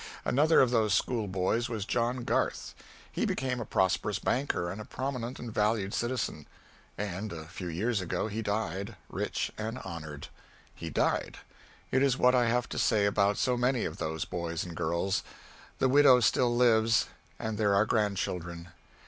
Another of those schoolboys was John Garth. He became a prosperous banker and a prominent and valued citizen; and a few years ago he died, rich and honored. He died. It is what I have to say about so many of those boys and girls. The widow still lives, and there are grandchildren.